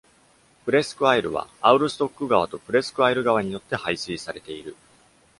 プレスク・アイルは、アウルストック川とプレスク・アイル川によって排水されている。